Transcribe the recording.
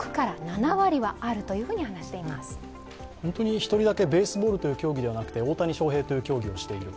１人だけベースボールという競技ではなくて大谷翔平という競技をしている。